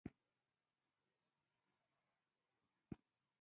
ادبیات د سولې پیغام لري.